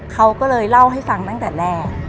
เขาก็เลยเล่าให้ฟังตั้งแต่แรก